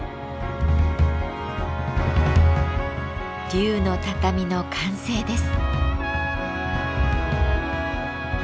龍の畳の完成です。